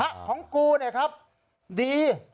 ของกูเนี่ยครับดี